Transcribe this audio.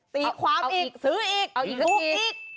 ตีความอีกซื้ออีกซื้ออีก